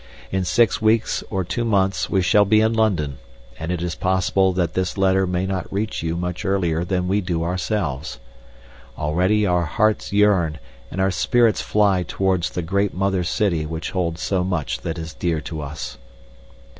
In six weeks or two months we shall be in London, and it is possible that this letter may not reach you much earlier than we do ourselves. Already our hearts yearn and our spirits fly towards the great mother city which holds so much that is dear to us.